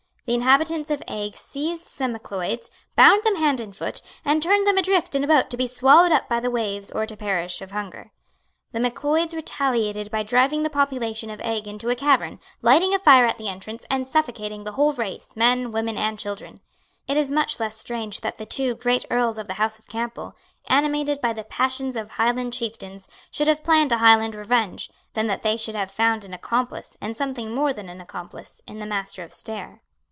The inhabitants of Eigg seized some Macleods, bound them hand and foot, and turned them adrift in a boat to be swallowed up by the waves or to perish of hunger. The Macleods retaliated by driving the population of Eigg into a cavern, lighting a fire at the entrance, and suffocating the whole race, men, women and children. It is much less strange that the two great Earls of the house of Campbell, animated by the passions of Highland chieftains, should have planned a Highland revenge, than that they should have found an accomplice, and something more than an accomplice, in the Master of Stair.